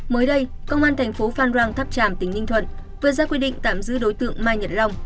mới đây công an thành phố phan rang thắp tràm tỉnh ninh thuận vừa ra quy định tạm giữ đối tượng mai nhãn